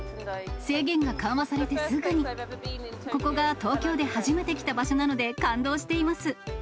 制限が緩和されてすぐに、ここが東京で初めて来た場所なので、感動しています。